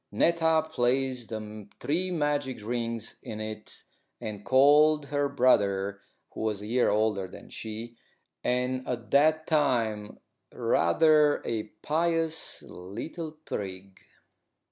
Netta placed the three magic rings in it, and called her brother, who was a year older than she, and at that time rather a pious little prig.